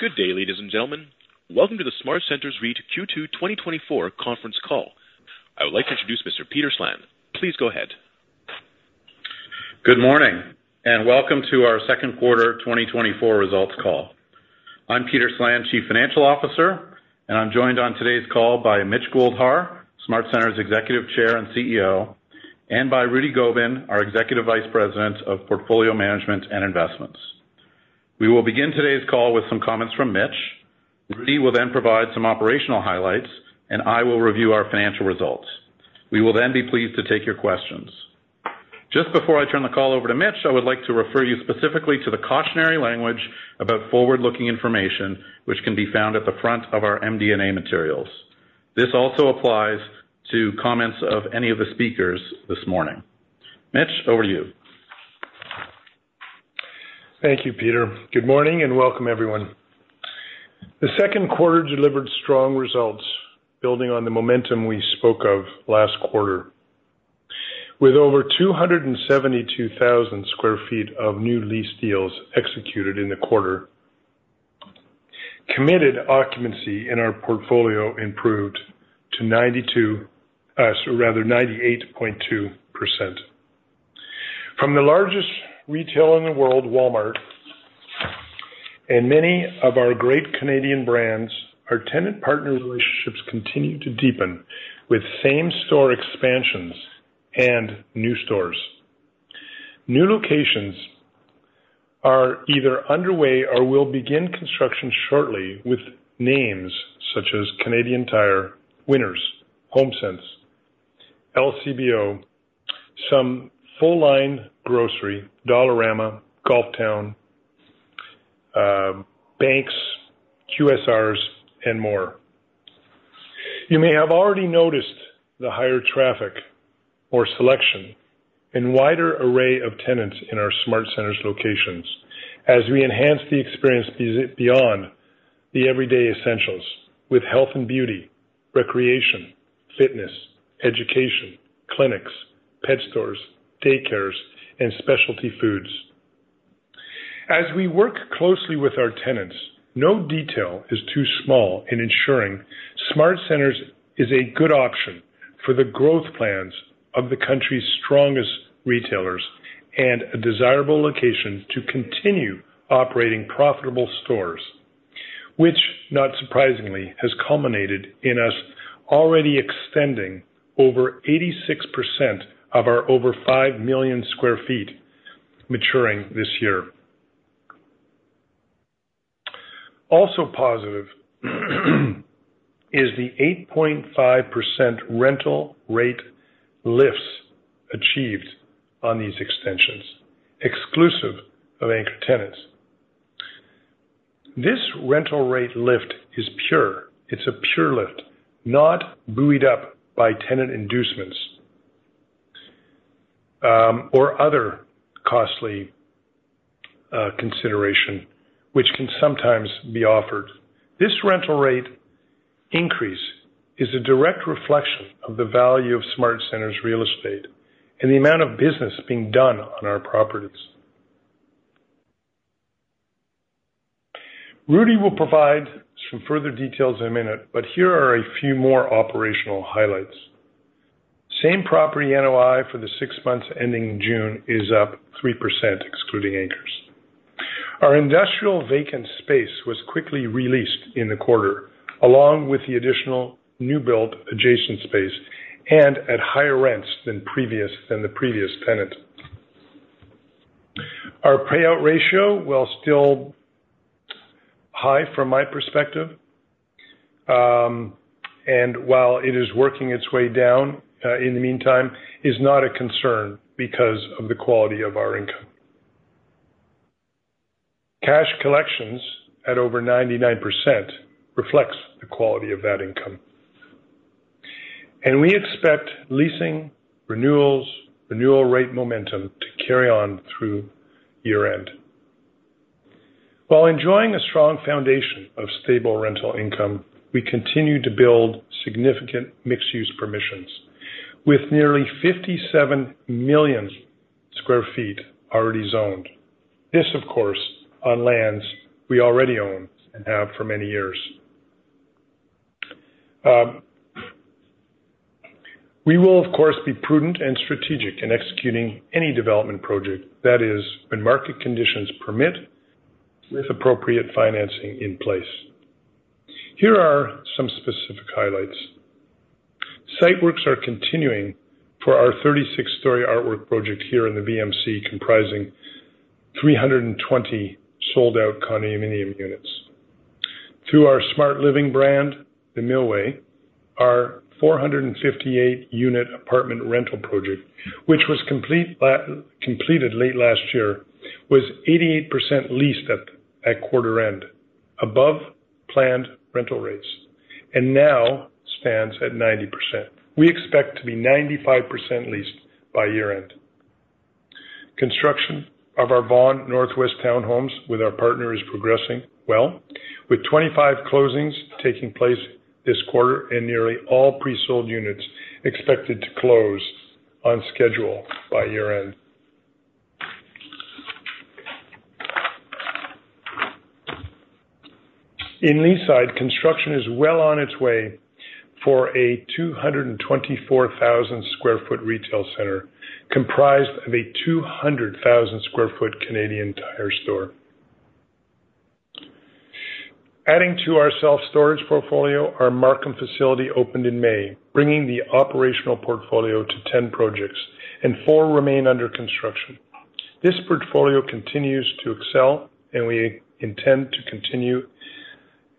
Good day, ladies and gentlemen. Welcome to the SmartCentres REIT Q2 2024 conference call. I would like to introduce Mr. Peter Slan. Please go ahead. Good morning, and welcome to our second quarter 2024 results call. I'm Peter Slan, Chief Financial Officer, and I'm joined on today's call by Mitch Goldhar, SmartCentres Executive Chair and CEO, and by Rudy Gobin, our Executive Vice President of Portfolio Management and Investments. We will begin today's call with some comments from Mitch. Rudy will then provide some operational highlights, and I will review our financial results. We will then be pleased to take your questions. Just before I turn the call over to Mitch, I would like to refer you specifically to the cautionary language about forward-looking information, which can be found at the front of our MD&A materials. This also applies to comments of any of the speakers this morning. Mitch, over to you. Thank you, Peter. Good morning, and welcome everyone. The second quarter delivered strong results, building on the momentum we spoke of last quarter. With over 272,000 sq ft of new lease deals executed in the quarter, committed occupancy in our portfolio improved to 92, so rather 98.2%. From the largest retailer in the world, Walmart, and many of our great Canadian brands, our tenant partner relationships continue to deepen with same-store expansions and new stores. New locations are either underway or will begin construction shortly, with names such as Canadian Tire, Winners, HomeSense, LCBO, some full-line grocery, Dollarama, Golf Town, banks, QSRs, and more. You may have already noticed the higher traffic or selection and wider array of tenants in our SmartCentres locations as we enhance the experience beyond the everyday essentials with health and beauty, recreation, fitness, education, clinics, pet stores, daycares, and specialty foods. As we work closely with our tenants, no detail is too small in ensuring SmartCentres is a good option for the growth plans of the country's strongest retailers and a desirable location to continue operating profitable stores, which, not surprisingly, has culminated in us already extending over 86% of our over 5 million sq ft maturing this year. Also positive is the 8.5% rental rate lifts achieved on these extensions, exclusive of anchor tenants. This rental rate lift is pure. It's a pure lift, not buoyed up by tenant inducements, or other costly consideration, which can sometimes be offered. This rental rate increase is a direct reflection of the value of SmartCentres real estate and the amount of business being done on our properties. Rudy will provide some further details in a minute, but here are a few more operational highlights. Same Property NOI for the six months ending in June is up 3%, excluding anchors. Our industrial vacant space was quickly re-leased in the quarter, along with the additional new build adjacent space, and at higher rents than previous, than the previous tenant. Our payout ratio, while still high from my perspective, and while it is working its way down, in the meantime, is not a concern because of the quality of our income. Cash collections at over 99% reflects the quality of that income. And we expect leasing, renewals, renewal rate momentum to carry on through year-end. While enjoying a strong foundation of stable rental income, we continue to build significant mixed-use permissions, with nearly 57 million sq ft already zoned. This, of course, on lands we already own and have for many years. We will, of course, be prudent and strategic in executing any development project, that is, when market conditions permit, with appropriate financing in place. Here are some specific highlights. Site works are continuing for our 36-story ArtWalk project here in the VMC, comprising 320 sold-out condominium units. Through our SmartLiving brand, The Millway, our 458-unit apartment rental project, which was completed late last year, was 88% leased at quarter-end, above planned rental rates, and now stands at 90%. We expect to be 95% leased by year-end. Construction of our Vaughan Northwest Townhomes with our partner is progressing well, with 25 closings taking place this quarter and nearly all pre-sold units expected to close on schedule by year-end. In Leaside, construction is well on its way for a 224,000 sq ft retail center, comprised of a 200,000 sq ft Canadian Tire store. Adding to our self-storage portfolio, our Markham facility opened in May, bringing the operational portfolio to 10 projects, and four remain under construction. This portfolio continues to excel, and we intend to continue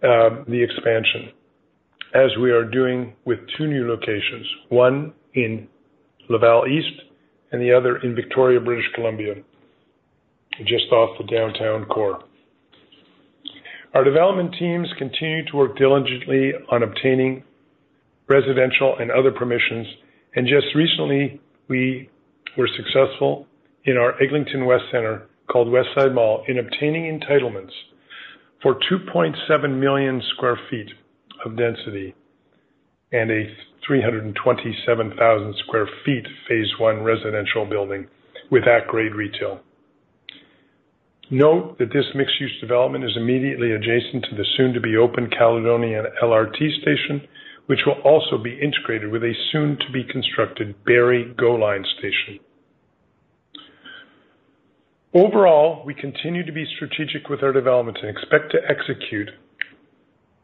the expansion as we are doing with two new locations, one in Laval East and the other in Victoria, British Columbia, just off the downtown core. Our development teams continue to work diligently on obtaining residential and other permissions, and just recently, we were successful in our Eglinton West Centre, called Westside Mall, in obtaining entitlements for 2.7 million sq ft of density and a 327,000 sq ft Phase I residential building with at-grade retail. Note that this mixed-use development is immediately adjacent to the soon-to-be-open Caledonia LRT station, which will also be integrated with a soon-to-be-constructed Barrie GO Line station. Overall, we continue to be strategic with our development and expect to execute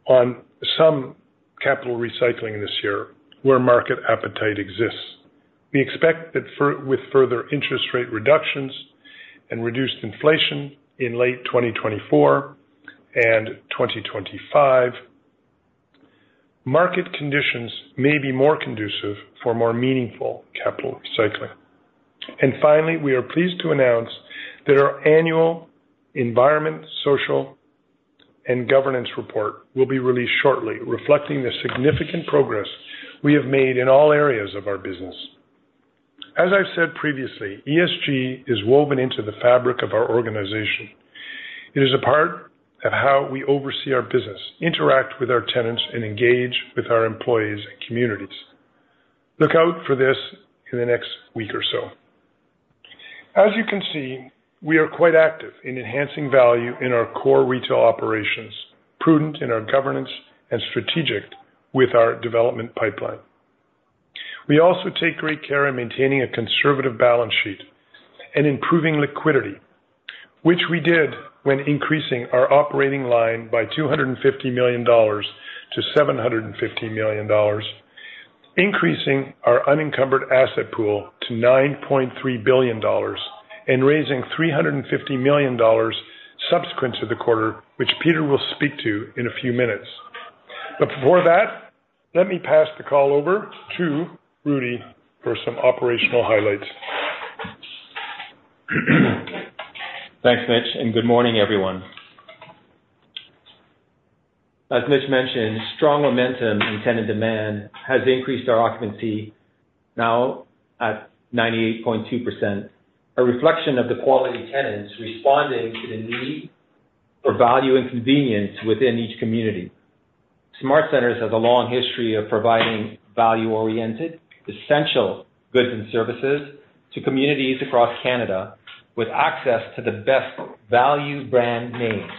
on some capital recycling this year where market appetite exists. We expect that with further interest rate reductions and reduced inflation in late 2024 and 2025, market conditions may be more conducive for more meaningful capital recycling. Finally, we are pleased to announce that our annual Environmental, Social, and Governance report will be released shortly, reflecting the significant progress we have made in all areas of our business. As I've said previously, ESG is woven into the fabric of our organization. It is a part of how we oversee our business, interact with our tenants, and engage with our employees and communities. Look out for this in the next week or so. As you can see, we are quite active in enhancing value in our core retail operations, prudent in our governance, and strategic with our development pipeline. We also take great care in maintaining a conservative balance sheet and improving liquidity, which we did when increasing our operating line by 250 million dollars to 750 million dollars, increasing our unencumbered asset pool to 9.3 billion dollars and raising 350 million dollars subsequent to the quarter, which Peter will speak to in a few minutes. But before that, let me pass the call over to Rudy for some operational highlights. Thanks, Mitch, and good morning, everyone. As Mitch mentioned, strong momentum in tenant demand has increased our occupancy now at 98.2%, a reflection of the quality tenants responding to the need for value and convenience within each community. SmartCentres has a long history of providing value-oriented, essential goods and services to communities across Canada, with access to the best value brand names.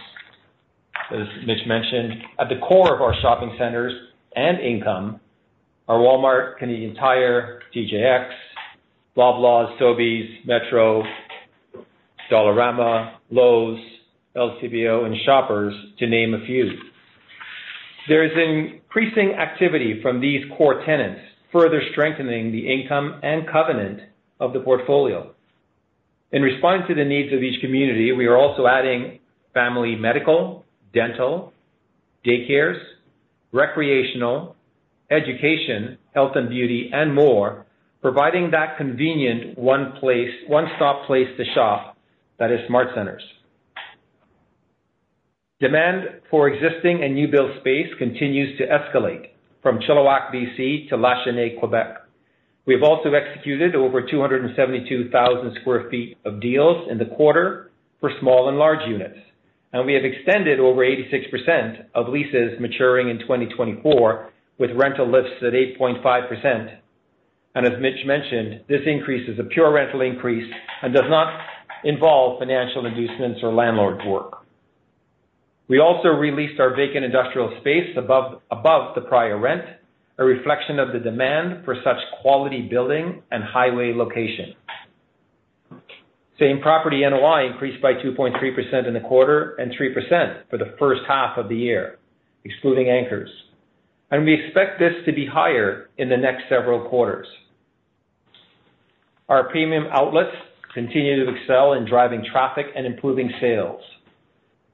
As Mitch mentioned, at the core of our shopping centers and income are Walmart, Canadian Tire, TJX, Loblaws, Sobeys, Metro, Dollarama, Lowe's, LCBO, and Shoppers, to name a few. There is increasing activity from these core tenants, further strengthening the income and covenant of the portfolio. In response to the needs of each community, we are also adding family medical, dental, daycares, recreational, education, health and beauty, and more, providing that convenient one place- one-stop place to shop that is SmartCentres. Demand for existing and new build space continues to escalate from Chilliwack, BC, to Lachenaie, Quebec. We have also executed over 272,000 sq ft of deals in the quarter for small and large units, and we have extended over 86% of leases maturing in 2024, with rental lifts at 8.5%. As Mitch mentioned, this increase is a pure rental increase and does not involve financial inducements or landlord work. We also re-leased our vacant industrial space above, above the prior rent, a reflection of the demand for such quality building and highway location. Same property NOI increased by 2.3% in the quarter and 3% for the first half of the year, excluding anchors, and we expect this to be higher in the next several quarters. Our Premium Outlets continue to excel in driving traffic and improving sales,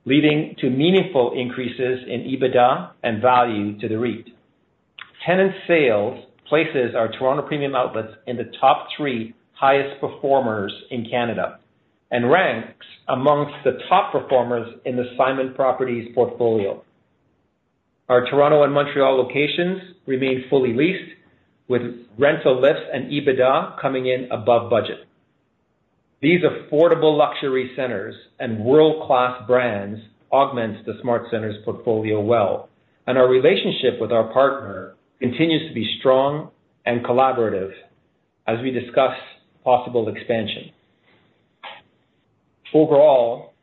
leading to meaningful increases in EBITDA and value to the REIT. Tenant sales places our Toronto Premium Outlets in the top three highest performers in Canada and ranks amongst the top performers in the Simon Properties portfolio. Our Toronto and Montreal locations remain fully leased, with rental lifts and EBITDA coming in above budget. These affordable luxury centers and world-class brands augments the SmartCentres portfolio well, and our relationship with our partner continues to be strong and collaborative as we discuss possible expansion. Overall,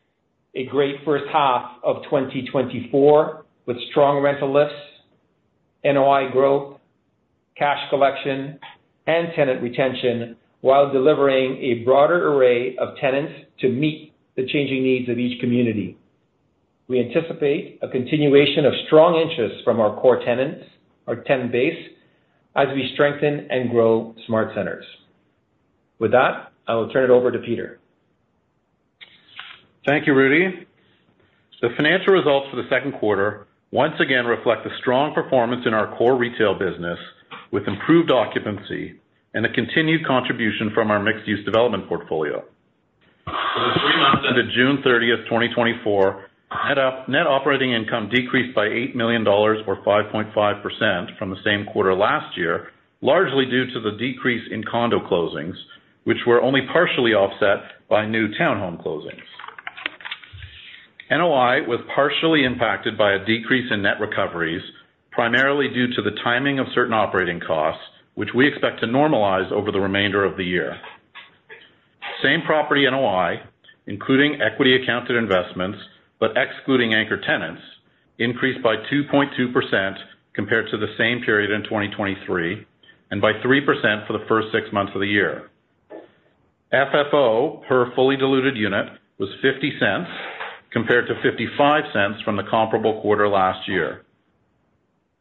a great first half of 2024, with strong rental lifts, NOI growth, cash collection, and tenant retention, while delivering a broader array of tenants to meet the changing needs of each community. We anticipate a continuation of strong interest from our core tenants, our tenant base, as we strengthen and grow SmartCentres. With that, I will turn it over to Peter. Thank you, Rudy. The financial results for the second quarter once again reflect the strong performance in our core retail business, with improved occupancy and a continued contribution from our mixed-use development portfolio. For the three months ended June 30th, 2024, net operating income decreased by 8 million dollars, or 5.5% from the same quarter last year, largely due to the decrease in condo closings, which were only partially offset by new townhome closings. NOI was partially impacted by a decrease in net recoveries, primarily due to the timing of certain operating costs, which we expect to normalize over the remainder of the year. Same property NOI, including equity accounted investments, but excluding anchor tenants, increased by 2.2% compared to the same period in 2023, and by 3% for the first six months of the year. FFO per fully diluted unit was 0.50, compared to 0.55 from the comparable quarter last year.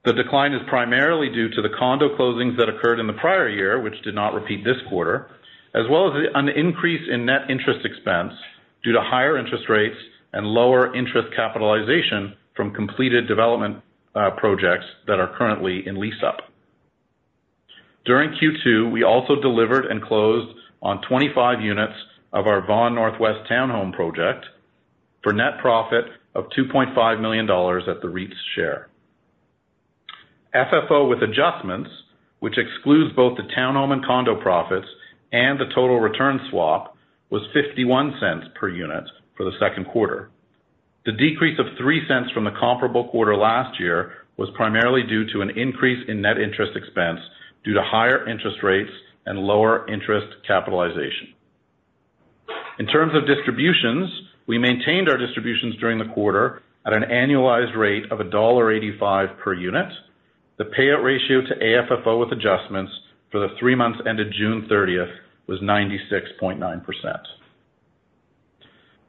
The decline is primarily due to the condo closings that occurred in the prior year, which did not repeat this quarter, as well as an increase in net interest expense due to higher interest rates and lower interest capitalization from completed development projects that are currently in lease up. During Q2, we also delivered and closed on 25 units of our Vaughan Northwest townhome project for net profit of 2.5 million dollars at the REIT's share. FFO with adjustments, which excludes both the townhome and condo profits and the total return swap, was 0.51 per unit for the second quarter. The decrease of 0.03 from the comparable quarter last year was primarily due to an increase in net interest expense due to higher interest rates and lower interest capitalization. In terms of distributions, we maintained our distributions during the quarter at an annualized rate of dollar 1.85 per unit. The payout ratio to AFFO with adjustments for the three months ended June 30th was 96.9%.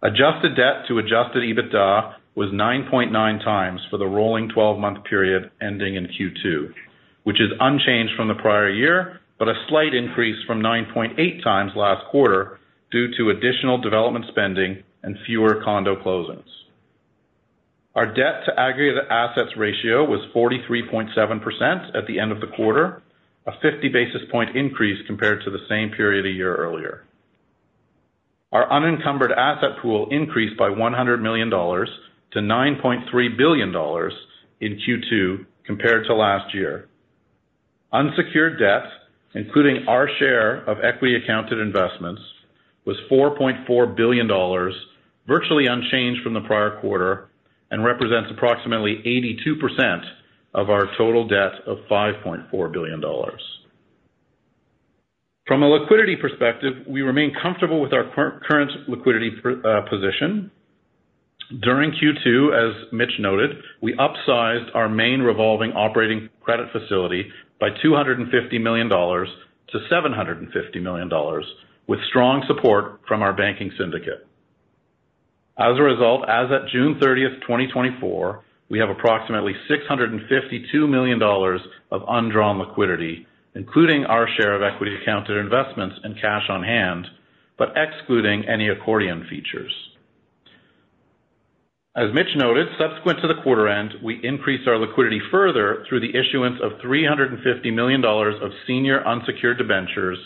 Adjusted debt to adjusted EBITDA was 9.9x for the rolling 12-month period ending in Q2, which is unchanged from the prior year, but a slight increase from 9.8x last quarter due to additional development spending and fewer condo closings. Our debt to aggregate assets ratio was 43.7% at the end of the quarter, a 50 basis point increase compared to the same period a year earlier. Our unencumbered asset pool increased by 100 million dollars to 9.3 billion dollars in Q2 compared to last year. Unsecured debt, including our share of equity accounted investments, was 4.4 billion dollars, virtually unchanged from the prior quarter, and represents approximately 82% of our total debt of 5.4 billion dollars. From a liquidity perspective, we remain comfortable with our current liquidity position. During Q2, as Mitch noted, we upsized our main revolving operating credit facility by 250 million dollars to 750 million dollars, with strong support from our banking syndicate. As a result, as at June 30th, 2024, we have approximately 652 million dollars of undrawn liquidity, including our share of equity accounted investments and cash on hand, but excluding any accordion features. As Mitch noted, subsequent to the quarter-end, we increased our liquidity further through the issuance of 350 million dollars of senior unsecured debentures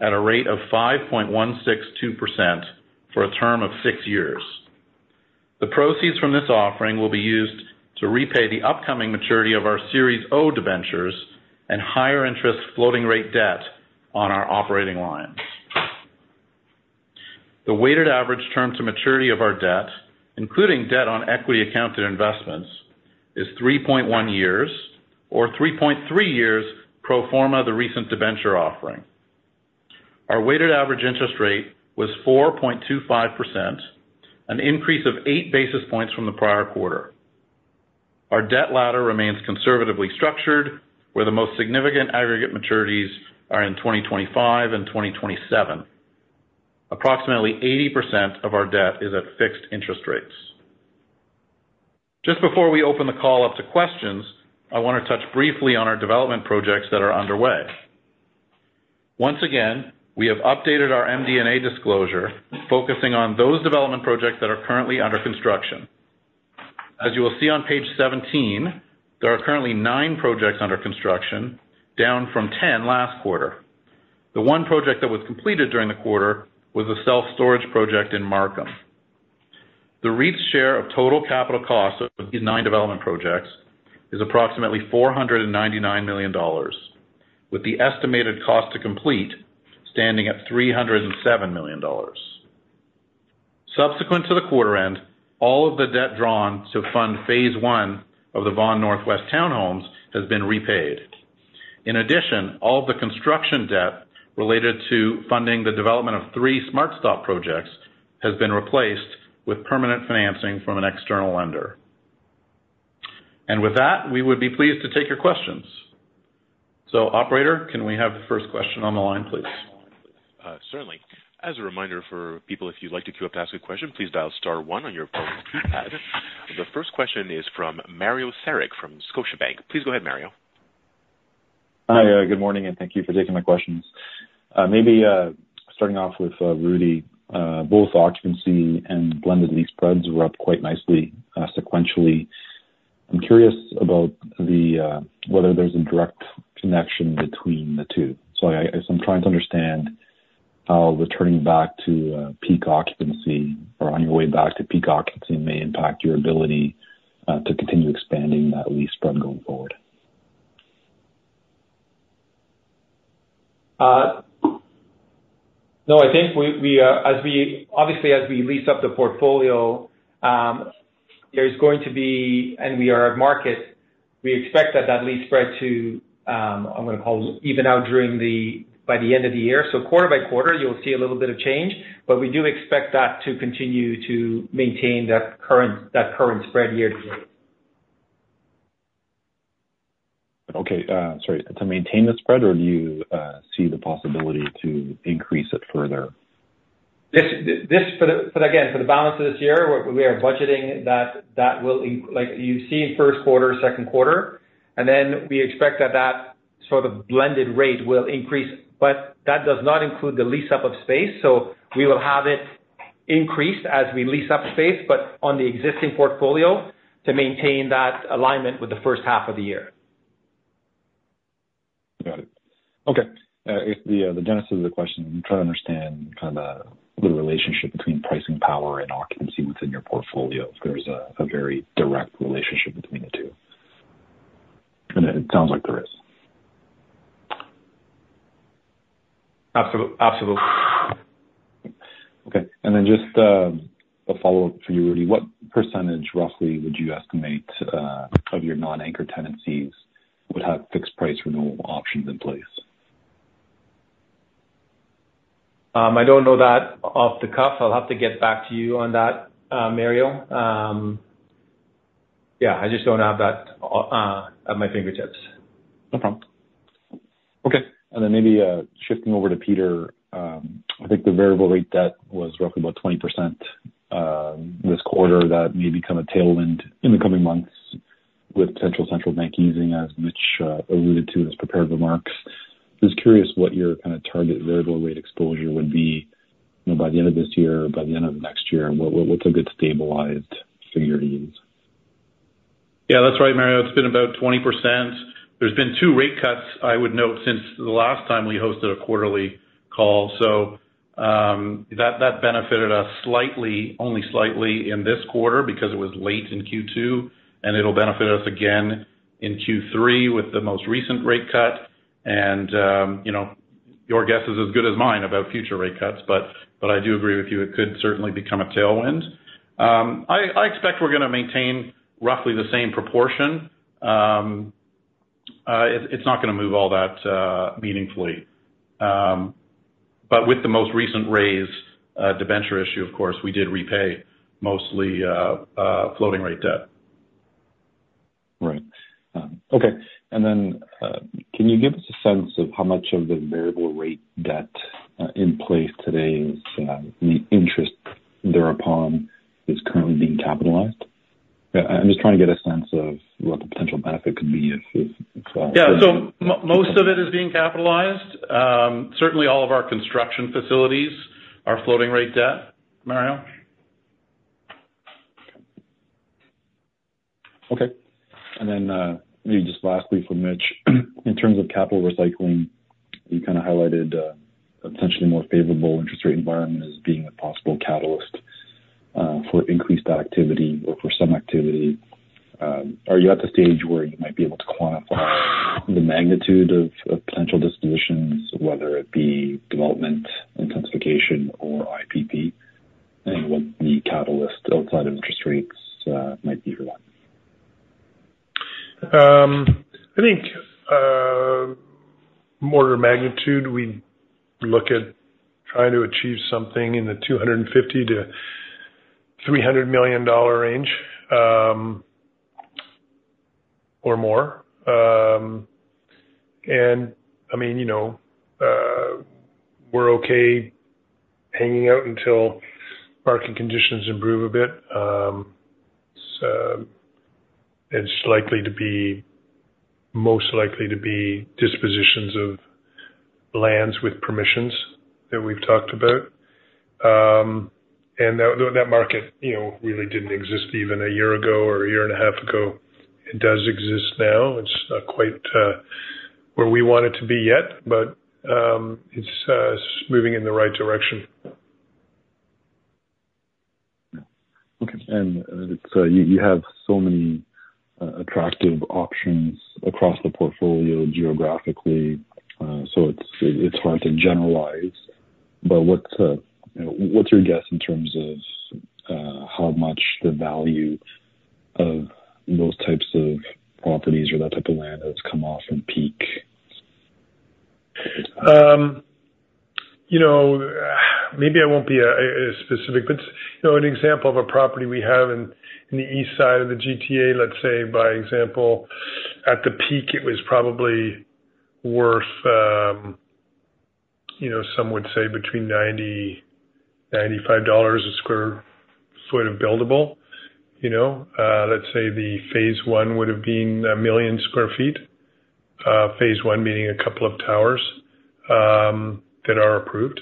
at a rate of 5.162% for a term of six years. The proceeds from this offering will be used to repay the upcoming maturity of our Series O debentures and higher interest floating rate debt on our operating lines. The weighted average term to maturity of our debt, including debt on equity accounted investments, is 3.1 years or 3.3 years pro forma the recent debenture offering. Our weighted average interest rate was 4.25%, an increase of 8 basis points from the prior quarter. Our debt ladder remains conservatively structured, where the most significant aggregate maturities are in 2025 and 2027. Approximately 80% of our debt is at fixed interest rates. Just before we open the call up to questions, I want to touch briefly on our development projects that are underway. Once again, we have updated our MD&A disclosure, focusing on those development projects that are currently under construction. As you will see on page 17, there are currently nine projects under construction, down from 10 last quarter. The one project that was completed during the quarter was a self-storage project in Markham. The REIT's share of total capital costs of these nine development projects is approximately 499 million dollars, with the estimated cost to complete standing at 307 million dollars. Subsequent to the quarter-end, all of the debt drawn to fund Phase I of the Vaughan Northwest Townhomes has been repaid. In addition, all of the construction debt related to funding the development of three SmartStop projects has been replaced with permanent financing from an external lender. With that, we would be pleased to take your questions. Operator, can we have the first question on the line, please? Certainly. As a reminder for people, if you'd like to queue up to ask a question, please dial star one on your phone keypad. The first question is from Mario Saric from Scotiabank. Please go ahead, Mario. Hi, good morning, and thank you for taking my questions. Maybe, starting off with, Rudy. Both occupancy and blended lease spreads were up quite nicely, sequentially. I'm curious about the, whether there's a direct connection between the two. So I, as I'm trying to understand how returning back to, peak occupancy or on your way back to peak occupancy may impact your ability, to continue expanding that lease spread going forward. No, I think as we obviously as we lease up the portfolio, there's going to be. And we are at market, we expect that lease spread to, I'm going to call even out during the, by the end of the year. So quarter by quarter, you'll see a little bit of change, but we do expect that to continue to maintain that current spread year to date. Okay. Sorry, to maintain the spread, or do you see the possibility to increase it further? This for the balance of this year, we are budgeting that will increase. Like you see first quarter, second quarter, and then we expect that sort of blended rate will increase. But that does not include the lease-up of space, so we will have it increased as we lease-up space, but on the existing portfolio to maintain that alignment with the first half of the year. Got it. Okay. If the genesis of the question, I'm trying to understand kind of the relationship between pricing power and occupancy within your portfolio. If there's a very direct relationship between the two. It sounds like there is. Absolut- absolutely. Okay. And then just a follow-up for you, Rudy. What percentage, roughly, would you estimate of your non-anchor tenancies would have fixed price renewal options in place? I don't know that off the cuff. I'll have to get back to you on that, Mario. Yeah, I just don't have that at my fingertips. No problem. Okay, and then maybe shifting over to Peter. I think the variable rate debt was roughly about 20%, this quarter. That may become a tailwind in the coming months with potential central bank easing, as Mitch alluded to in his prepared remarks. Just curious what your kind of target variable rate exposure would be, you know, by the end of this year, by the end of next year, and what, what's a good stabilized figure to use? Yeah, that's right, Mario. It's been about 20%. There's been two rate cuts, I would note, since the last time we hosted a quarterly call. So, that benefited us slightly, only slightly in this quarter because it was late in Q2, and it'll benefit us again in Q3 with the most recent rate cut. And, you know, your guess is as good as mine about future rate cuts, but I do agree with you, it could certainly become a tailwind. I expect we're going to maintain roughly the same proportion. It's not going to move all that meaningfully. But with the most recent raise, debenture issue, of course, we did repay mostly floating rate debt. Right. Okay. And then, can you give us a sense of how much of the variable rate debt in place today is, the interest thereupon is currently being capitalized? I'm just trying to get a sense of what the potential benefit could be if it- Yeah. So most of it is being capitalized. Certainly all of our construction facilities are floating rate debt, Mario. Okay. And then, maybe just lastly for Mitch. In terms of capital recycling, you kind of highlighted, a potentially more favorable interest rate environment as being a possible catalyst, for increased activity or for some activity. Are you at the stage where you might be able to quantify the magnitude of, of potential dispositions, whether it be development, intensification, or IPP, and what the catalyst outside of interest rates, might be for that? I think, order of magnitude, we look at trying to achieve something in the 250 million-300 million dollar range, or more. And I mean, you know, we're okay hanging out until market conditions improve a bit. So it's likely to be, most likely to be dispositions of lands with permissions that we've talked about. And that, that market, you know, really didn't exist even a year ago or a year and a half ago. It does exist now. It's not quite, where we want it to be yet, but, it's, moving in the right direction.... Okay, and, so you, you have so many attractive options across the portfolio geographically. So it's, it's hard to generalize, but what's, you know, what's your guess in terms of, how much the value of those types of properties or that type of land has come off from peak? You know, maybe I won't be specific, but you know, an example of a property we have in the east side of the GTA, let's say, by example, at the peak, it was probably worth, you know, some would say between 90-95 dollars a sq ft of buildable, you know. Let's say the Phase I would have been 1 million sq ft. Phase I meaning a couple of towers that are approved.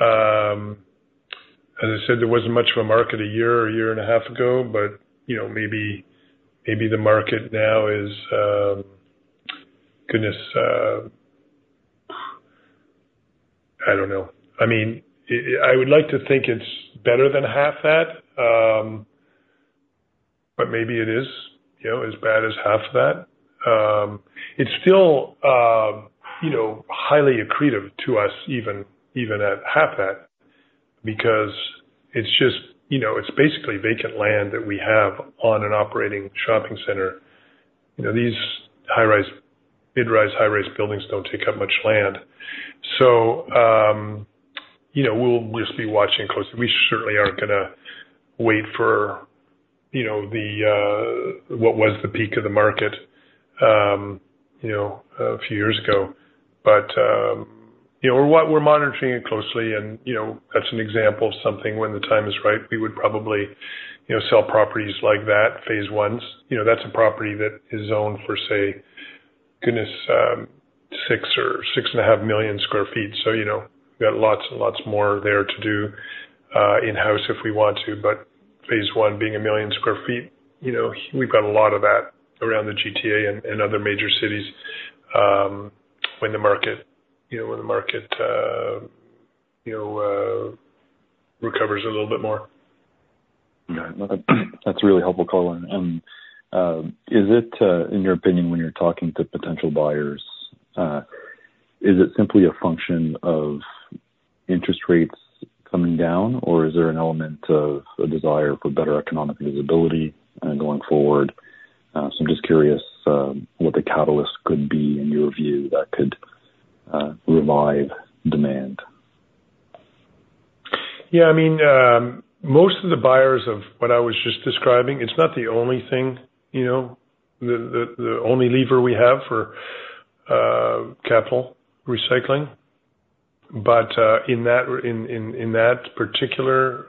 As I said, there wasn't much of a market a year or year and a half ago, but you know, maybe, maybe the market now is, goodness... I don't know. I mean, I would like to think it's better than half that, but maybe it is, you know, as bad as half that. It's still, you know, highly accretive to us, even, even at half that, because it's just... You know, it's basically vacant land that we have on an operating shopping center. You know, these high-rise, mid-rise, high-rise buildings don't take up much land. So, you know, we'll just be watching closely. We certainly aren't gonna wait for, you know, the, what was the peak of the market, you know, a few years ago. But, you know, we're monitoring it closely, and, you know, that's an example of something when the time is right, we would probably, you know, sell properties like that, Phase Is. You know, that's a property that is zoned for, say, goodness, 6 or 6.5 million sq ft. So, you know, we've got lots and lots more there to do, in-house, if we want to. But Phase I being 1 million sq ft, you know, we've got a lot of that around the GTA and other major cities, when the market, you know, recovers a little bit more. Got it. That's really helpful, Goldhar. And, is it, in your opinion, when you're talking to potential buyers, is it simply a function of interest rates coming down, or is there an element of a desire for better economic visibility, going forward? So I'm just curious, what the catalyst could be, in your view, that could revive demand? Yeah, I mean, most of the buyers of what I was just describing, it's not the only thing, you know, the only lever we have for capital recycling. But in that particular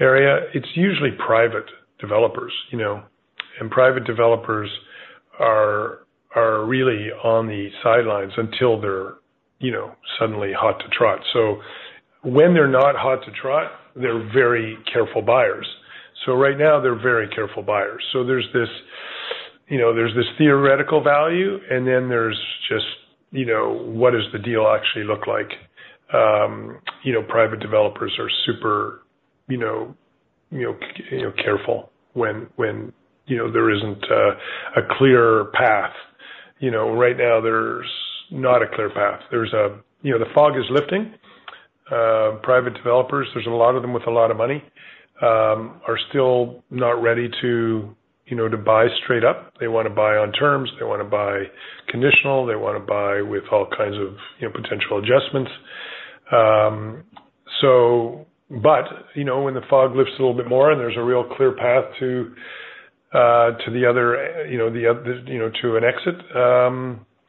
area, it's usually private developers, you know, and private developers are really on the sidelines until they're, you know, suddenly hot to trot. So when they're not hot to trot, they're very careful buyers. So right now, they're very careful buyers. So there's this, you know, theoretical value, and then there's just, you know, what does the deal actually look like? You know, private developers are super, you know, careful when, you know, there isn't a clear path. You know, right now, there's not a clear path. There's a... You know, the fog is lifting. Private developers, there's a lot of them with a lot of money, are still not ready to, you know, to buy straight up. They wanna buy on terms, they wanna buy conditional, they wanna buy with all kinds of, you know, potential adjustments. So but, you know, when the fog lifts a little bit more and there's a real clear path to, to the other, you know, the other, you know, to an exit,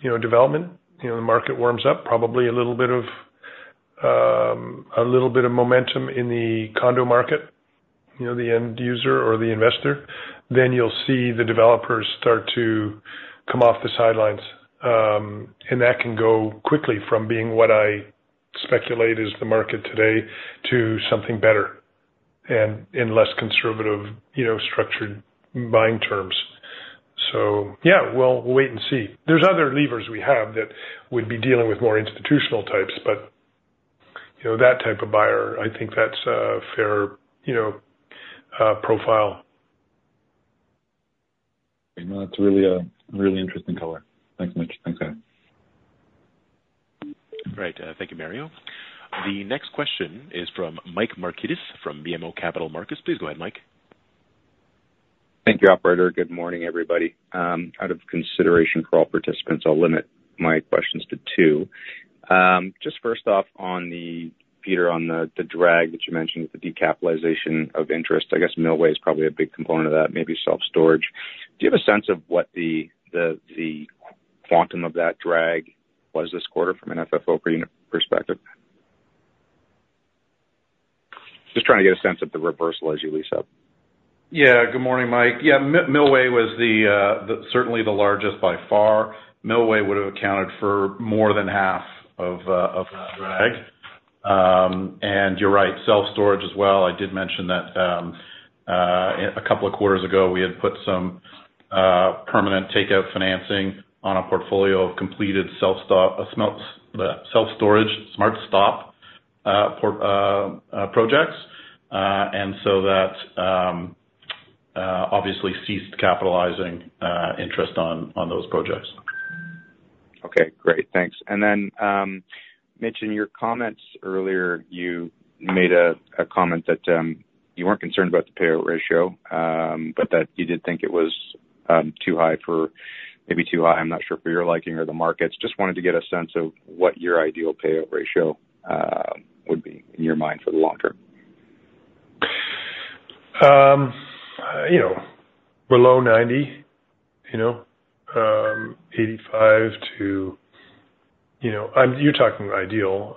you know, development, you know, the market warms up, probably a little bit of, a little bit of momentum in the condo market, you know, the end user or the investor, then you'll see the developers start to come off the sidelines. And that can go quickly from being what I speculate is the market today to something better and in less conservative, you know, structured buying terms. So, yeah, we'll, we'll wait and see. There's other levers we have that would be dealing with more institutional types, but, you know, that type of buyer, I think that's a fair, you know, profile. You know, that's really a really interesting color. Thanks much. Okay. Great. Thank you, Mario. The next question is from Mike Markidis, from BMO Capital Markets. Please go ahead, Mike. Thank you, operator. Good morning, everybody. Out of consideration for all participants, I'll limit my questions to two. Just first off, on the... Peter, on the drag that you mentioned, with the decapitalization of interest, I guess Millway is probably a big component of that, maybe self-storage. Do you have a sense of what the quantum of that drag was this quarter from an FFO per unit perspective? Just trying to get a sense of the reversal as you lease up. Yeah. Good morning, Mike. Yeah, Millway was certainly the largest by far. Millway would have accounted for more than half of that drag. And you're right, self-storage as well. I did mention that a couple of quarters ago, we had put some permanent takeout financing on a portfolio of completed self-storage SmartStop projects. And so that obviously ceased capitalizing interest on those projects. Okay, great. Thanks. And then, Mitch, in your comments earlier, you made a comment that you weren't concerned about the payout ratio, but that you did think it was too high for—maybe too high, I'm not sure, for your liking or the markets. Just wanted to get a sense of what your ideal payout ratio would be in your mind for the long term. You know, below 90, you know? 85 to, you know, you're talking ideal,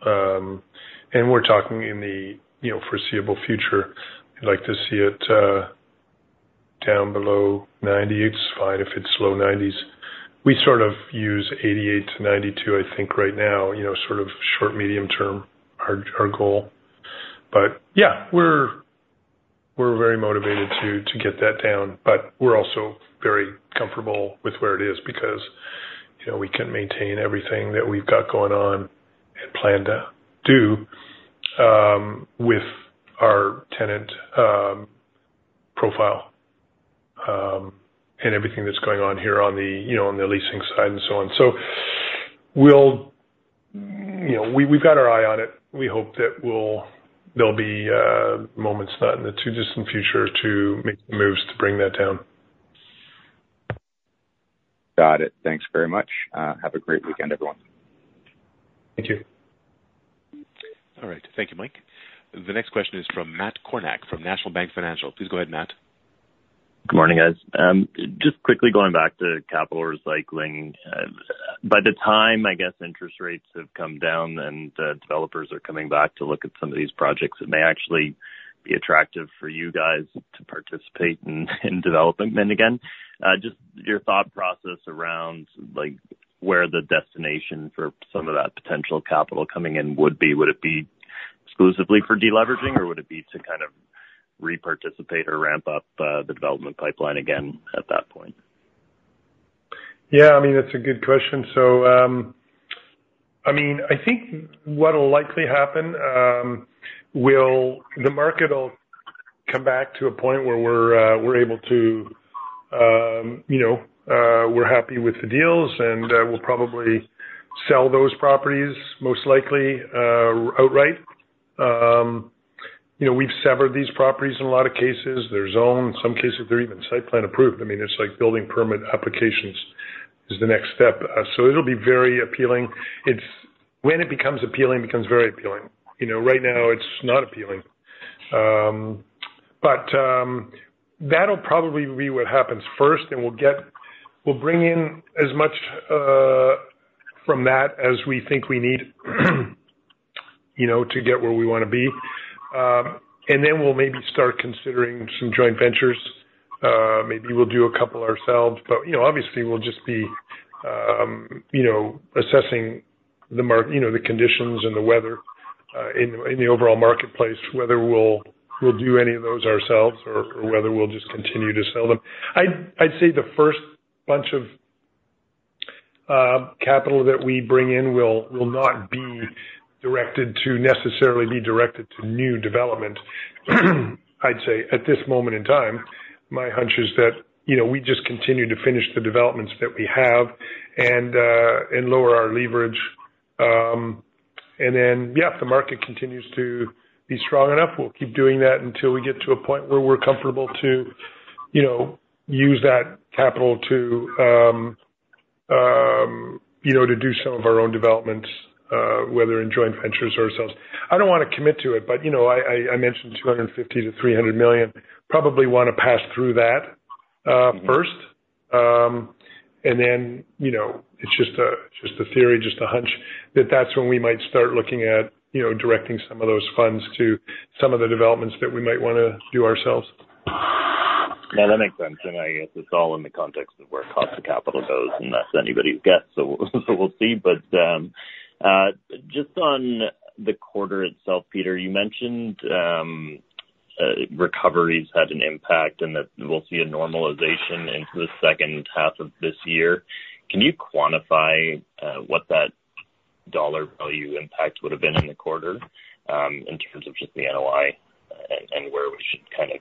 and we're talking in the foreseeable future. I'd like to see it down below 90. It's fine if it's low 90s. We sort of use 88-92, I think, right now, you know, sort of short, medium term, our goal. But yeah, we're very motivated to get that down, but we're also very comfortable with where it is because, you know, we can maintain everything that we've got going on and plan to do with our tenant profile and everything that's going on here on the, you know, on the leasing side and so on. So we'll... You know, we, we've got our eye on it. We hope that there'll be moments not in the too distant future to make the moves to bring that down. Got it. Thanks very much. Have a great weekend, everyone. Thank you. All right. Thank you, Mike. The next question is from Matt Kornack, from National Bank Financial. Please go ahead, Matt. Good morning, guys. Just quickly going back to capital recycling. By the time, I guess, interest rates have come down and developers are coming back to look at some of these projects, it may actually be attractive for you guys to participate in development. And again, just your thought process around, like, where the destination for some of that potential capital coming in would be. Would it be exclusively for de-leveraging, or would it be to kind of re-participate or ramp up the development pipeline again at that point? Yeah, I mean, it's a good question. So, I mean, I think what will likely happen, will-- the market will come back to a point where we're, we're able to, you know, we're happy with the deals, and, we'll probably sell those properties, most likely, outright. You know, we've severed these properties in a lot of cases. They're zoned, some cases, they're even site plan approved. I mean, it's like building permit applications is the next step. So it'll be very appealing. It's-- when it becomes appealing, it becomes very appealing. You know, right now, it's not appealing. But, that'll probably be what happens first, and we'll bring in as much, from that as we think we need, you know, to get where we wanna be. And then we'll maybe start considering some joint ventures. Maybe we'll do a couple ourselves, but, you know, obviously, we'll just be, you know, assessing you know, the conditions and the weather in the overall marketplace, whether we'll do any of those ourselves or whether we'll just continue to sell them. I'd say the first bunch of capital that we bring in will not be directed to, necessarily be directed to new development. I'd say at this moment in time, my hunch is that, you know, we just continue to finish the developments that we have and lower our leverage. And then, yeah, if the market continues to be strong enough, we'll keep doing that until we get to a point where we're comfortable to, you know, use that capital to, you know, to do some of our own developments, whether in joint ventures or ourselves. I don't wanna commit to it, but, you know, I, I, I mentioned 250 million-300 million. Probably wanna pass through that, first. And then, you know, it's just a, just a theory, just a hunch, that that's when we might start looking at, you know, directing some of those funds to some of the developments that we might wanna do ourselves. Yeah, that makes sense, and I guess it's all in the context of where cost of capital goes, and that's anybody's guess, so, so we'll see. But, just on the quarter itself, Peter, you mentioned, recoveries had an impact and that we'll see a normalization into the second half of this year. Can you quantify, what that dollar value impact would have been in the quarter, in terms of just the NOI and, and where we should kind of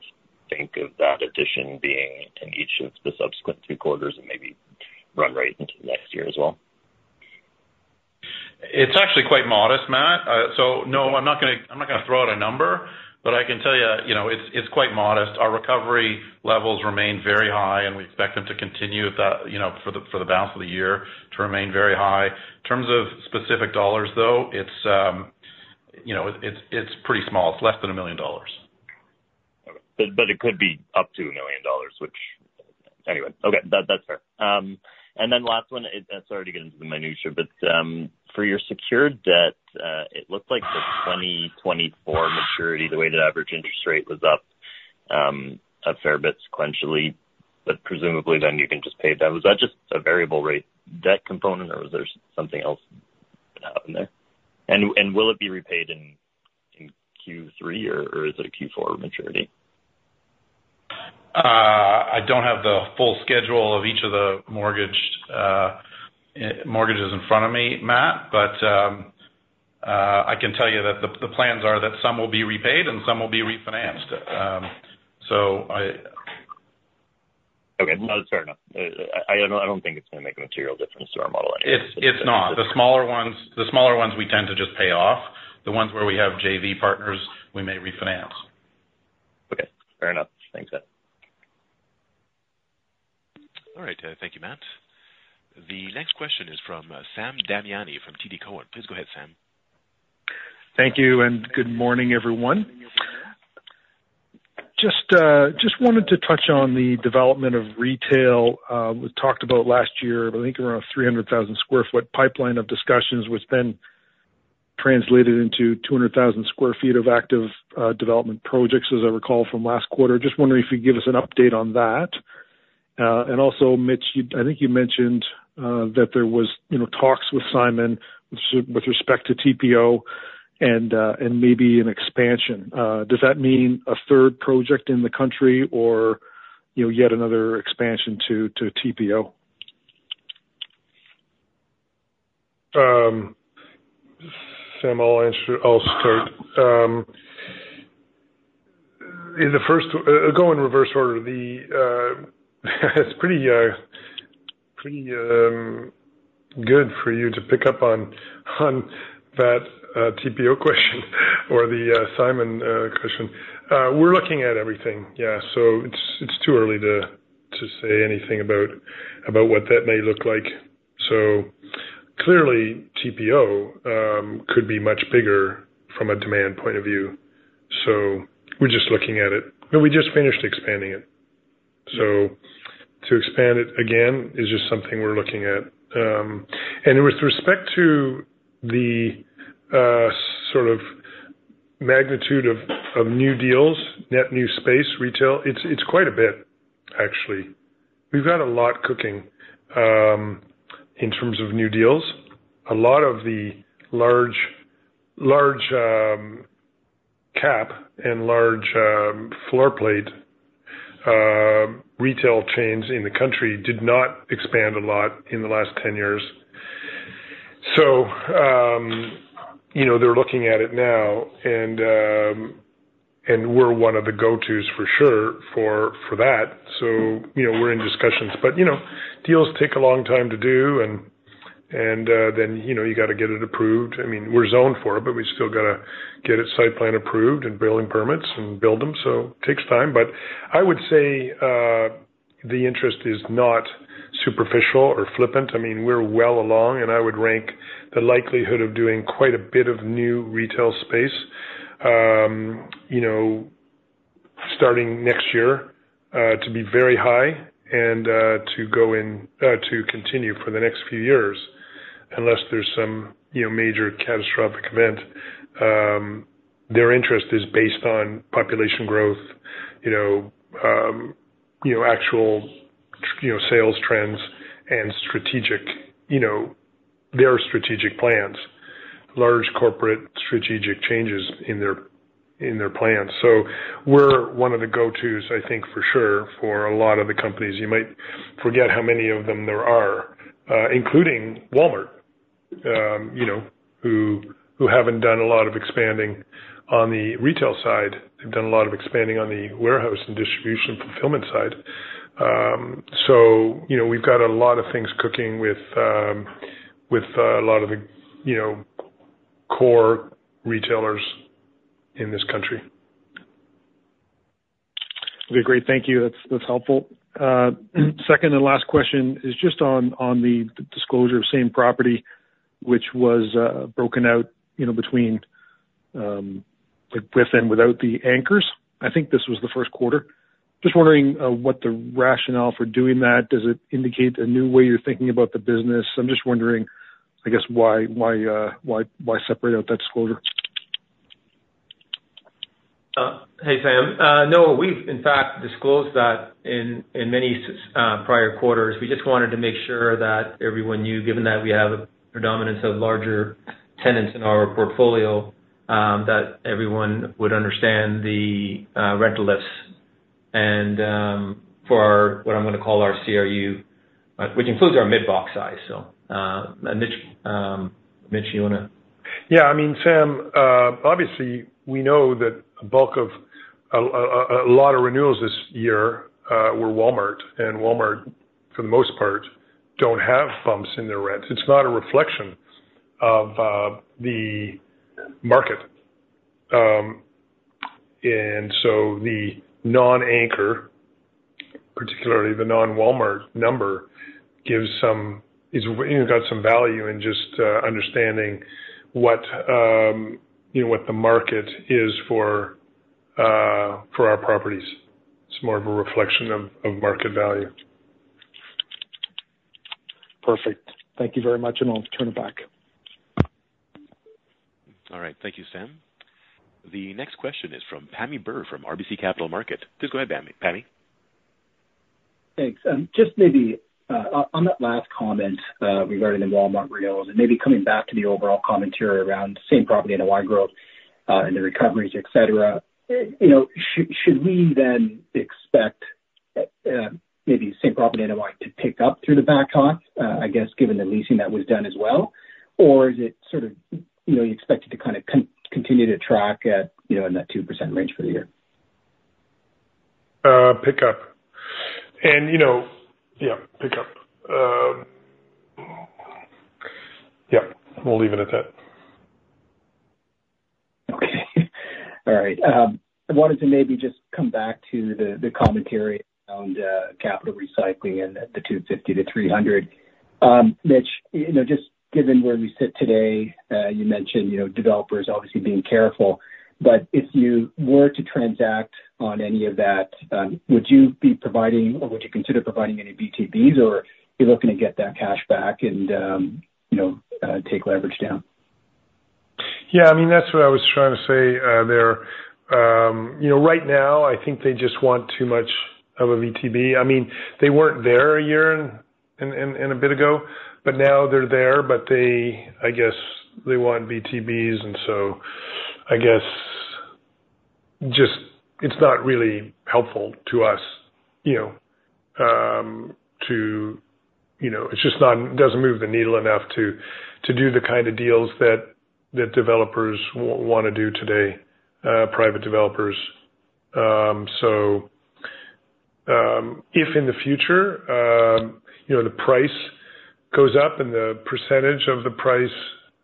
think of that addition being in each of the subsequent two quarters and maybe run right into next year as well? It's actually quite modest, Matt. So no, I'm not gonna, I'm not gonna throw out a number, but I can tell you, you know, it's quite modest. Our recovery levels remain very high, and we expect them to continue at the, you know, for the balance of the year, to remain very high. In terms of specific dollars, though, it's, you know, it's pretty small. It's less than 1 million dollars. But it could be up to 1 million dollars, which... Anyway. Okay, that's fair. And then last one, sorry to get into the minutiae, but, for your secured debt, it looked like the 2024 maturity, the weighted average interest rate was up, a fair bit sequentially, but presumably then you can just pay that. Was that just a variable rate debt component, or was there something else?... out in there. And will it be repaid in Q3 or is it a Q4 maturity? I don't have the full schedule of each of the mortgaged mortgages in front of me, Matt, but, I can tell you that the plans are that some will be repaid and some will be refinanced. So I- Okay. No, fair enough. I don't think it's gonna make a material difference to our model anyway. It's not. The smaller ones we tend to just pay off. The ones where we have JV partners, we may refinance. Okay, fair enough. Thanks, Matt. All right, thank you, Matt. The next question is from Sam Damiani from TD Cowen. Please go ahead, Sam. Thank you, and good morning, everyone. Just wanted to touch on the development of retail. We talked about last year, I think around 300,000 sq ft pipeline of discussions, which then translated into 200,000 sq ft of active development projects, as I recall from last quarter. Just wondering if you'd give us an update on that. And also, Mitch, you, I think you mentioned that there was, you know, talks with Simon with respect to TPO and maybe an expansion. Does that mean a third project in the country or, you know, yet another expansion to TPO? Sam, I'll answer, I'll start. Go in reverse order. It's pretty good for you to pick up on that TPO question or the Simon question. We're looking at everything. Yeah, so it's too early to say anything about what that may look like. So clearly, TPO could be much bigger from a demand point of view, so we're just looking at it. But we just finished expanding it. So to expand it again is just something we're looking at. And with respect to the sort of magnitude of new deals, net new space retail, it's quite a bit, actually. We've got a lot cooking in terms of new deals. A lot of the large, large, cap and large, floor plate, retail chains in the country did not expand a lot in the last 10 years. So, you know, they're looking at it now, and, and we're one of the go-tos for sure, for, for that. So, you know, we're in discussions, but, you know, deals take a long time to do, and, and, then, you know, you gotta get it approved. I mean, we're zoned for it, but we still gotta get its site plan approved and building permits and build them, so takes time. But I would say, the interest is not superficial or flippant. I mean, we're well along, and I would rank the likelihood of doing quite a bit of new retail space, you know, starting next year, to be very high and, to go in... To continue for the next few years, unless there's some, you know, major catastrophic event. Their interest is based on population growth, you know, you know, actual, you know, sales trends and strategic, you know, their strategic plans, large corporate strategic changes in their, in their plans. So we're one of the go-tos, I think, for sure, for a lot of the companies. You might forget how many of them there are, including Walmart, you know, who, who haven't done a lot of expanding on the retail side. They've done a lot of expanding on the warehouse and distribution fulfillment side. So, you know, we've got a lot of things cooking with, with, a lot of the, you know, core retailers in this country. Okay, great. Thank you. That's, that's helpful. Second and last question is just on, on the disclosure of same property, which was, broken out, you know, between, with and without the anchors. I think this was the first quarter. Just wondering, what the rationale for doing that, does it indicate a new way you're thinking about the business? I'm just wondering, I guess why, why, why, why separate out that disclosure? Hey, Sam. No, we've in fact disclosed that in many prior quarters. We just wanted to make sure that everyone knew, given that we have a predominance of larger tenants in our portfolio, that everyone would understand the rental lists and, for our, what I'm gonna call our CRU, which includes our mid-box size, so, Mitch, Mitch, you wanna? Yeah, I mean, Sam, obviously, we know that a bulk of a lot of renewals this year were Walmart, and Walmart, for the most part, don't have bumps in their rents. It's not a reflection of the market. And so the non-anchor, particularly the non-Walmart number, gives some... you know, got some value in just understanding what, you know, what the market is for our properties. It's more of a reflection of market value. Perfect. Thank you very much, and I'll turn it back. All right, thank you, Sam. The next question is from Pammi Bir from RBC Capital Markets. Please go ahead, Pammi, Pammi?... Thanks. Just maybe, on that last comment, regarding the Walmart renewals, and maybe coming back to the overall commentary around same property and NOI growth, and the recoveries, et cetera, you know, should we then expect, maybe same property NOI to pick up through the back half, I guess, given the leasing that was done as well? Or is it sort of, you know, you expect it to kind of continue to track at, you know, in that 2% range for the year? Pick up. You know, yeah, pick up. Yep, we'll leave it at that. Okay. All right. I wanted to maybe just come back to the commentary around capital recycling and the 250 to 300. Mitch, you know, just given where we sit today, you mentioned, you know, developers obviously being careful, but if you were to transact on any of that, would you be providing or would you consider providing any VTBs, or are you looking to get that cash back and, you know, take leverage down? Yeah, I mean, that's what I was trying to say there. You know, right now, I think they just want too much of a VTB. I mean, they weren't there a year and a bit ago, but now they're there, but they. I guess they want VTBs, and so I guess just it's not really helpful to us, you know, to you know, it's just not. It doesn't move the needle enough to do the kind of deals that developers wanna do today, private developers. So, if in the future, you know, the price goes up and the percentage of the price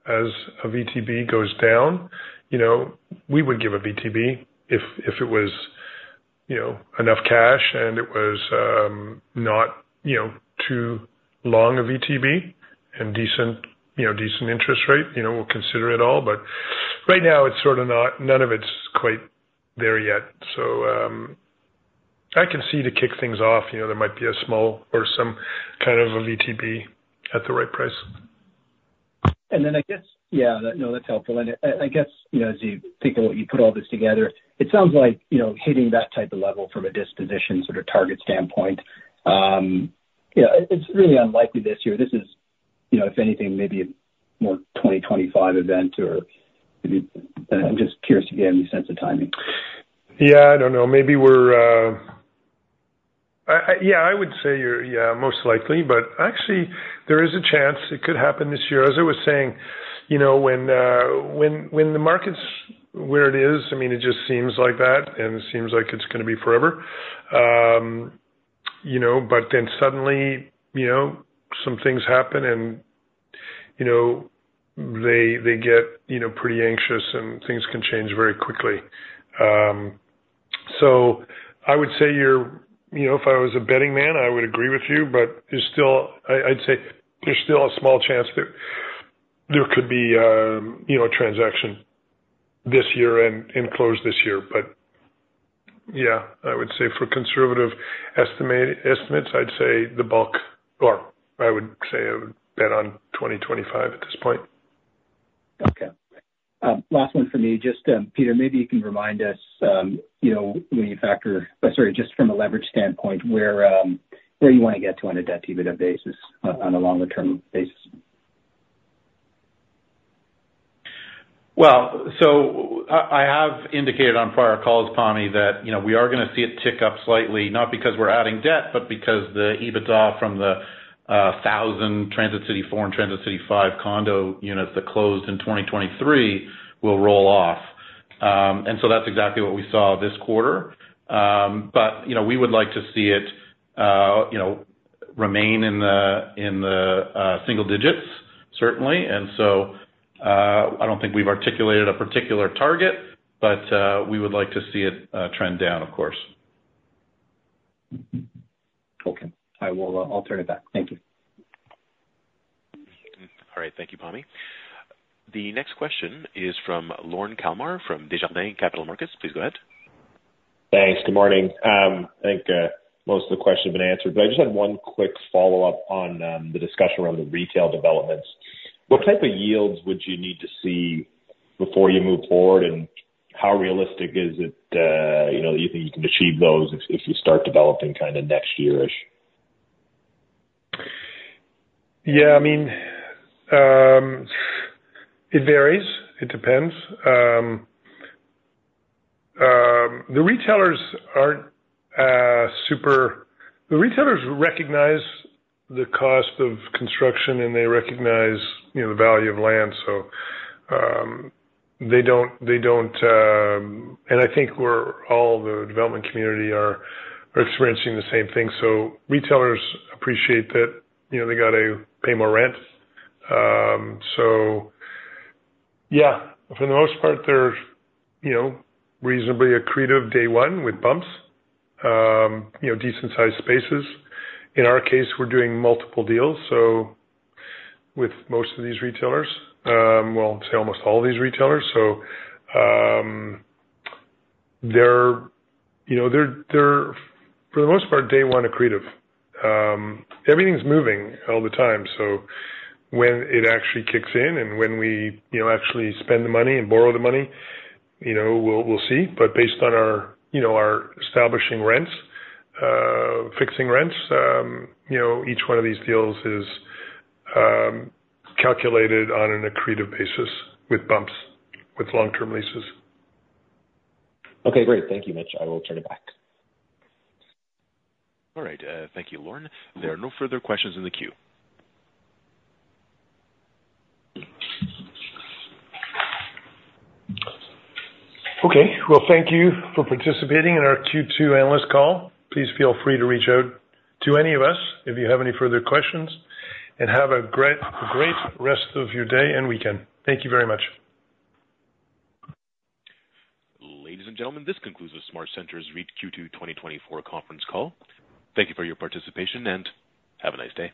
as a VTB goes down, you know, we would give a VTB if, if it was, you know, enough cash and it was, not, you know, too long a VTB and decent, you know, decent interest rate, you know, we'll consider it all. But right now, it's sort of not none of it's quite there yet. So, I can see to kick things off, you know, there might be a small or some kind of a VTB at the right price. And then I guess, yeah, that. No, that's helpful. And I, I guess, you know, as you think about, you put all this together, it sounds like, you know, hitting that type of level from a disposition sort of target standpoint, you know, it's really unlikely this year. This is, you know, if anything, maybe a more 2025 event or maybe. I'm just curious if you have any sense of timing. Yeah, I don't know. Maybe we're. Yeah, I would say you're, yeah, most likely, but actually there is a chance it could happen this year. As I was saying, you know, when the market's where it is, I mean, it just seems like that, and it seems like it's gonna be forever. You know, but then suddenly, you know, some things happen, and, you know, they get, you know, pretty anxious, and things can change very quickly. So I would say you're, you know, if I was a betting man, I would agree with you, but there's still. I'd say there's still a small chance that there could be, you know, a transaction this year and close this year. Yeah, I would say for conservative estimates, I'd say the bulk, or I would say I would bet on 2025 at this point. Okay. Last one for me. Just, Peter, maybe you can remind us, you know, when you factor... Sorry, just from a leverage standpoint, where, where you wanna get to on a debt-to-EBITDA basis on, on a longer term basis? Well, so I have indicated on prior calls, Pammi, that, you know, we are gonna see it tick up slightly, not because we're adding debt, but because the EBITDA from the 1,000 Transit City 4 and Transit City 5 condo units that closed in 2023 will roll off. And so that's exactly what we saw this quarter. But, you know, we would like to see it, you know, remain in the single digits, certainly. And so, I don't think we've articulated a particular target, but, we would like to see it, trend down, of course. Okay. I will, I'll turn it back. Thank you. All right. Thank you, Pammi. The next question is from Lorne Kalmar, from Desjardins Capital Markets. Please go ahead. Thanks. Good morning. I think most of the questions have been answered, but I just had one quick follow-up on the discussion around the retail developments. What type of yields would you need to see before you move forward, and how realistic is it, you know, you think you can achieve those if you start developing kind of next year-ish? Yeah, I mean, it varies. It depends. The retailers recognize the cost of construction, and they recognize, you know, the value of land, so they don't, they don't... And I think we're, all the development community are experiencing the same thing. So retailers appreciate that, you know, they gotta pay more rent. So yeah, for the most part, they're, you know, reasonably accretive day one with bumps, you know, decent-sized spaces. In our case, we're doing multiple deals, so with most of these retailers, well, say almost all of these retailers. So, they're, you know, they're, they're, for the most part, day one accretive. Everything's moving all the time, so when it actually kicks in and when we, you know, actually spend the money and borrow the money, you know, we'll, we'll see. But based on our, you know, our establishing rents, fixing rents, you know, each one of these deals is, calculated on an accretive basis with bumps, with long-term leases. Okay, great. Thank you, Mitch. I will turn it back. All right. Thank you, Lorne. There are no further questions in the queue. Okay. Well, thank you for participating in our Q2 analyst call. Please feel free to reach out to any of us if you have any further questions, and have a great, great rest of your day and weekend. Thank you very much. Ladies and gentlemen, this concludes the SmartCentres REIT Q2 2024 conference call. Thank you for your participation, and have a nice day.